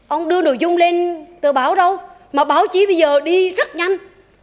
ông đưa nội dung lên tờ báo đâu mà báo chí bây giờ đi rất nhanh